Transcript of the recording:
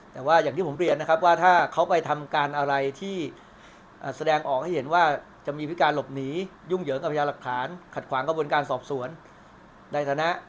แต่ว่าอย่างที่ผมเรียนนะครับว่าถ้าเขาไปทำการอะไรที่แสดงออกให้เห็นว่าจะมีพิการหลบหนียุ่งเหยิงกับพญาหลักฐานขัดขวางกระบวนการสอบสวนในฐานะ